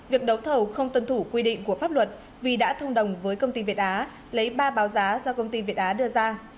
việc đấu thầu không tuân thủ quy định của pháp luật vì đã thông đồng với công ty việt á lấy ba báo giá do công ty việt á đưa ra